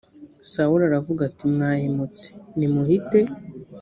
sawuli aravuga ati mwahemutse nimuhite